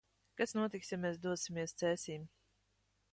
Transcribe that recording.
Kas notiks, ja mēs dosimies Cēsīm?